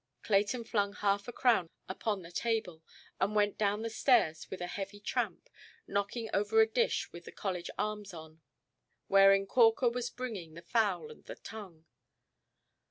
Clayton flung half–a–crown upon the table, and went down the stairs with a heavy tramp, knocking over a dish with the college arms on, wherein Corker was bringing the fowl and the tongue.